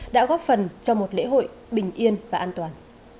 đã góp phần cho một lễ hội bình yên và an toàn